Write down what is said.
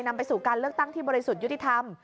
นำไปสู่การเลือกตั้งที่บริสุทธิ์ยุติธรรม